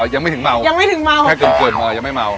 อ๋อยังไม่ถึงเมายังไม่ถึงเมาแค่กึ่มกึ่มอ๋อยังไม่เมา